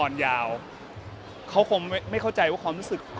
จากเตือนให้รักมาเลย